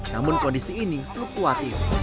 namun kondisi ini terkuatir